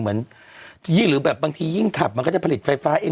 หรือแบบบางทียิ่งขับมันก็จะผลิตไฟฟ้าเอง